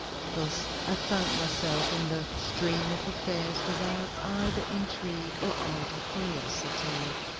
Thus I found myself in the stream of affairs without either intrigue or idle curiosity.